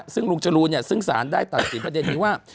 ซึ่งลูกจะรู้เนี่ยซึ่งศาลได้ตัดสินประเด็นนี้ว่า